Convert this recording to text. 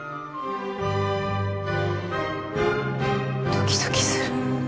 ドキドキする。